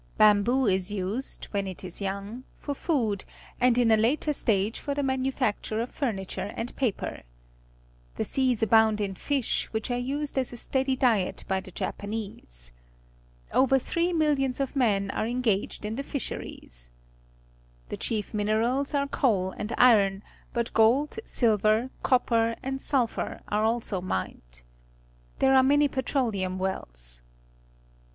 Bamboo is used, when it is }'x)ung~7Tor food7 and in a later stage for the manufacture of furniture and jyper. The seas abound in fisEfwhich are used as a .stead}' diet by the Japanese. Over three miUions of men are engaged in the fisheries. The cliief minerals are coal and iron, but ^gold, silver, copper, and su lphur arg" also ^mned. ihere are many petroleum wells.